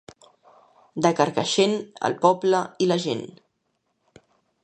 De Carcaixent, el poble i la gent.